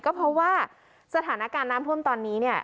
ก็เพราะว่าสถานการณ์น้ำท่วมตอนนี้เนี่ย